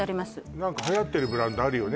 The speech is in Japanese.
何かはやってるブランドあるよね